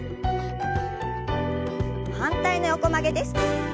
反対の横曲げです。